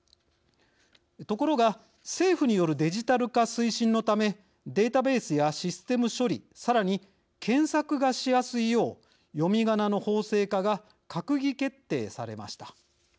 ところが政府によるデジタル化推進のためデータベースやシステム処理さらに検索がしやすいよう読みがなの法制化が閣議決定されました。